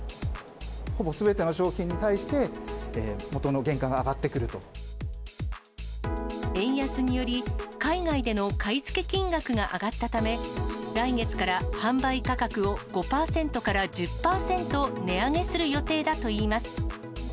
ほぼすべての商品に対して、円安により、海外での買い付け金額が上がったため、来月から販売価格を５％から１０％値上げする予定だといいます。